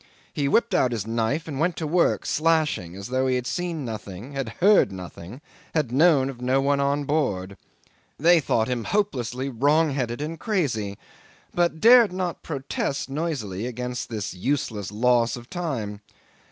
He whipped out his knife and went to work slashing as though he had seen nothing, had heard nothing, had known of no one on board. They thought him hopelessly wrong headed and crazy, but dared not protest noisily against this useless loss of time.